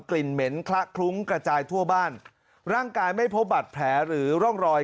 ลิ่นเหม็นคละคลุ้งกระจายทั่วบ้านร่างกายไม่พบบัตรแผลหรือร่องรอย